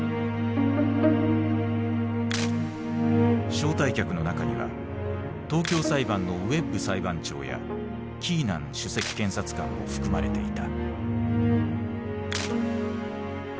招待客の中には東京裁判のウェッブ裁判長やキーナン首席検察官も含まれていた。